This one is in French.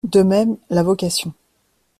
De même la vocation.